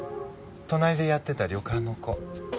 隣でやってた旅館の子。